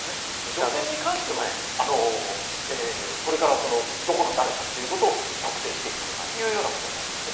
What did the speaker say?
女性に関しては、これからどこの誰かということを特定していくというようなことになりますね。